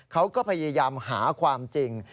เขาก็พยายามหาความจริง